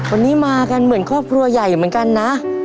วันนี้มากันเหมือนครอบครัวใหญ่เหมือนกันนะ